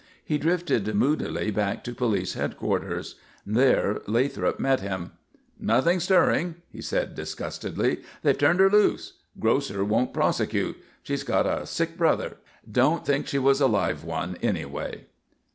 He drifted moodily back to police headquarters. There Lathrop met him. "Nothing stirring," he said, disgustedly. "They've turned her loose. Grocer wouldn't prosecute. She's got a sick brother. Don't think she was a live one, anyway."